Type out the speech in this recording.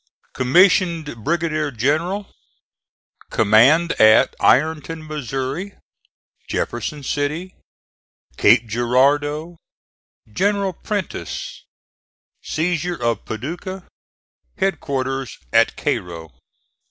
COMMISSIONED BRIGADIER GENERAL COMMAND AT IRONTON, MO. JEFFERSON CITY CAPE GIRARDEAU GENERAL PRENTISS SEIZURE OF PADUCAH HEADQUARTERS AT CAIRO.